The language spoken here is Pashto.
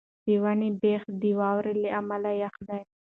د ونې بېخ د واورې له امله یخ دی.